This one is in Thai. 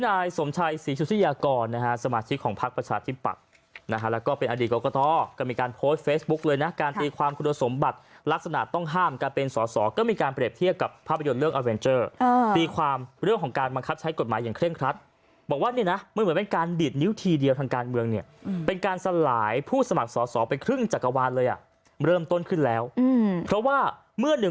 แนนใหม่ในวันหน้าที่๑นครปฐมต้องมีการนับคะแนนใหม่ในวันหน้าที่๑นครปฐมต้องมีการนับคะแนนใหม่ในวันหน้าที่๑นครปฐมต้องมีการนับคะแนนใหม่ในวันหน้าที่๑นครปฐมต้องมีการนับคะแนนใหม่ในวันหน้าที่๑นครปฐมต้องมีการนับคะแนนใหม่ในวันหน้าที่๑นครปฐมต้องมีการนับคะแนนใหม่ในวันหน้าที่๑